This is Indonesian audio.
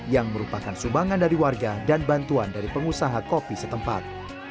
yang merupakan sumbangan dari warga dan bantuan dari pengusaha kopi setempat